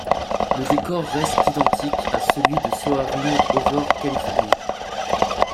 Le décor reste identique à celui de Soarin' Over California.